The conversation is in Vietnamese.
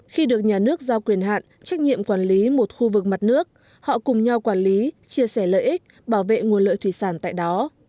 khi được nhà nước giao quyền hạn trách nhiệm quản lý một khu vực mặt nước họ cùng nhau quản lý chia sẻ lợi ích bảo vệ nguồn lợi thủy sản tại đó